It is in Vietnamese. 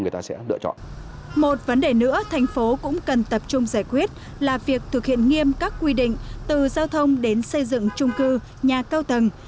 một vấn đề nữa thành phố cũng cần tập trung giải quyết là việc thực hiện nghiêm các quy định từ giao thông đến xây dựng trung cư nhà cao tầng